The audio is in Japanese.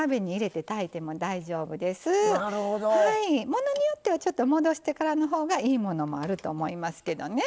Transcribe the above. ものによってはちょっと戻してからのほうがいいものもあると思いますけどね。